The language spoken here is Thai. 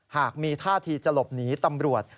หากมีท่าทีจะหลบหนีตำรวจ